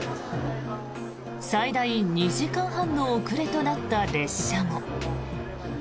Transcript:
最大２時間半の遅れとなった列車も。